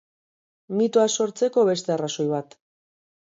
Mitoa sortzeko beste arrazoi bat.